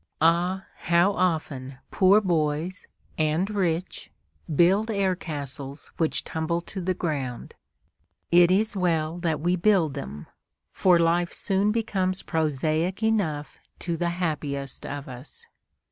Ah! how often poor boys and rich build air castles which tumble to the ground. It is well that we build them, for life soon becomes prosaic enough to the happiest of us.